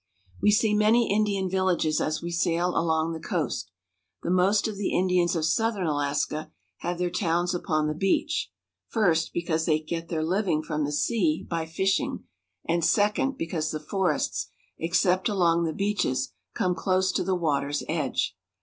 We see many Indian villages as we sail along the coast. The most of the In dians of southern Alaska have their towns upon the beach : first, because they get their living from the sea by fish ing; and, second, because the forests, except along the beaches, come close to the v/ater's edge.